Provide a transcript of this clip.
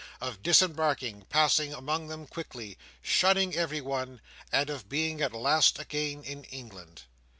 Of disembarking, passing among them quickly, shunning every one; and of being at last again in England.